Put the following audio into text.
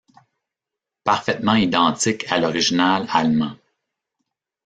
Parfaitement identique à l'original allemand.